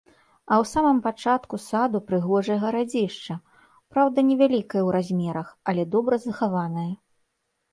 А ў самым пачатку саду прыгожае гарадзішча, праўда, невялікае ў размерах, але добра захаванае.